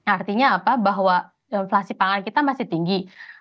artinya apa bahwa inflasi pangan kita masih tinggi